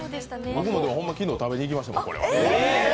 僕も、ほんま昨日食べに行きましたもん。